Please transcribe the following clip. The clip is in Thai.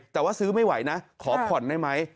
แต่ว่าซื้อไม่ไหวนะขอผ่อนได้ไหม